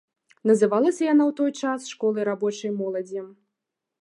Называлася яна ў той час школай рабочай моладзі.